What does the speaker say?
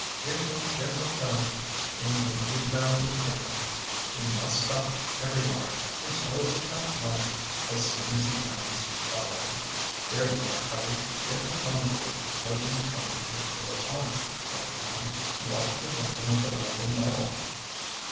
Here comes General Tubb! He'll make you bow to the ground! You must stop ev'ry lark, And toe the chalk mark, As soon as he comes around." "There you are, Tubby; think of Songbird composing a poem in your honor," cried Tom. "You ought to present him with a leather medal."